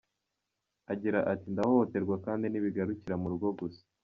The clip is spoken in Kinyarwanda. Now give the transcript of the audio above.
Agira ati: “Ndahohoterwa kandi ntibigarukira mu rugo gusa.